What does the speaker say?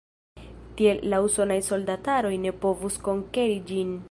Tiel la usonaj soldataroj ne povus konkeri ĝin.